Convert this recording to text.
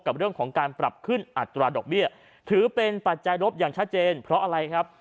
กับเรื่องของการปรับขึ้นอัตราดอกเบี้ยถือเป็นปัจจัยรบอย่างชัดเจนเพราะอะไรครับ